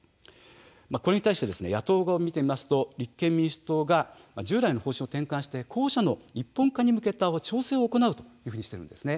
これに対して野党側を見てみますと立憲民主党が従来の方針を転換して候補者の一本化に向けた調整を行うというふうにしているんです。